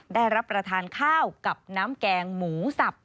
ได้รับประทานข้าวกับน้ำแกงหมูสับ